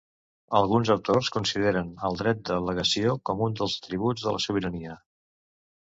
Alguns autors consideren al dret de legació com un dels atributs de la sobirania.